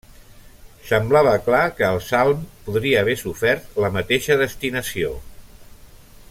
Semblava clar que el salm podria haver sofert la mateixa destinació.